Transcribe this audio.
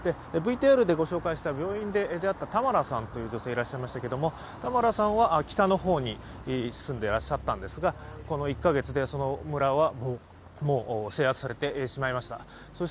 ＶＴＲで御紹介した病院で出会ったタマラさんという女性がいっしゃったんですけれども、タマラさんは北の方に住んでらっしゃったんですが、この１カ月で村はもう制圧されてしまいました。